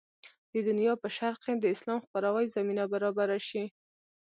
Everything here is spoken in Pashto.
د دنیا په شرق کې د اسلام خپراوي زمینه برابره شي.